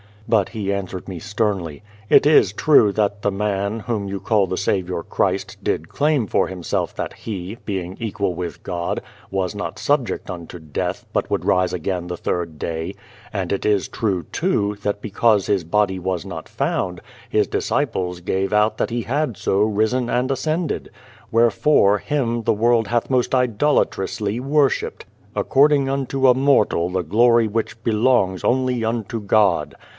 But he answered me sternly, " It is true that the man, whom you call the Saviour Christ, did claim for Himself that He, being equal with God, was not subject unto death, but would rise again the third day. And it is true, too, that because His body was not found, His disciples gave out that He had so risen and ascended. Wherefore Him the world hath most idolatrously worshipped, according unto a mortal the glory which belongs only unto GOD.